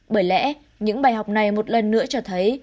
bởi lẽ những bài học này một lần nữa cho thấy